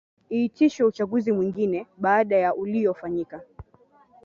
iitishwe uchaguzi mwingine baada ya uliyofanyika